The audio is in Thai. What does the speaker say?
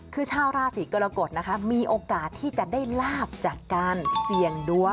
คือชาวราศีกรกฎนะคะมีโอกาสที่จะได้ลาบจากการเสี่ยงดวง